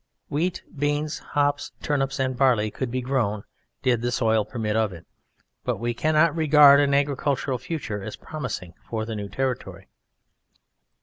Wheat, beans, hops, turnips, and barley could be grown did the soil permit of it. But we cannot regard an agricultural future as promising for the new territory.